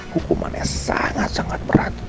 hukumannya sangat sangat berat